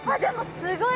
すごい！